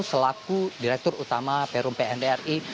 selaku direktur utama perum pnri